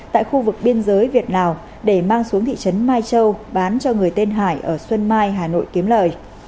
tại khu vực biên giới việt lào để mang xuống thị trấn mai châu bán cho người tên hải ở xuân mai hà nội kiếm lời